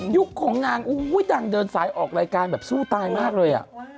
ของนางดังเดินสายออกรายการแบบสู้ตายมากเลยอ่ะ